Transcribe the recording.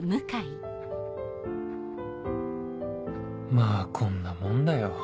まぁこんなもんだよ